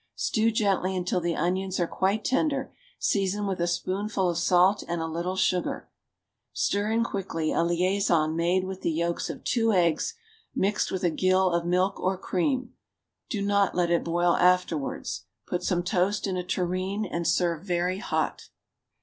Stew gently until the onions are quite tender, season with a spoonful of salt and a little sugar; stir in quickly a liaison made with the yolks of two eggs mixed with a gill of milk or cream (do not let it boil afterwards), put some toast in a tureen, and serve very hot.